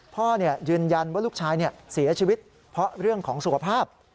พ่อยืนยันว่าลูกชายเสียชีวิตเพราะเรื่องของสุขภาพ